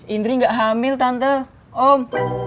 indri gak hamil tante om